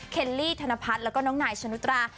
ลี่ธนพัฒน์แล้วก็น้องนายชนุตรา